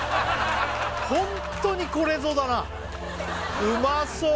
ホントにこれぞだなうまそう